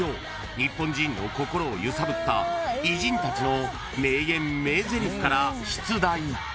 ［日本人の心を揺さぶった偉人たちの名言名ゼリフから出題］